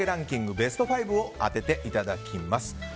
ベスト５を当てていただきます。